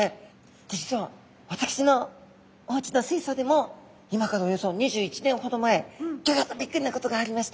実は私のおうちの水槽でも今からおよそ２１年ほど前ギョギョッとビックリなことがありました。